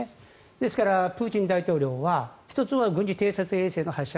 ですからプーチン大統領は１つは軍事偵察衛星の発射